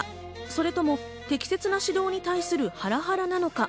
それとも適切な指導に対するハラハラなのか？